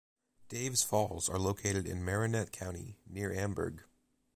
Dave's Falls are located in Marinette County, near Amberg.